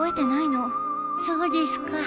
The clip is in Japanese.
そうですか。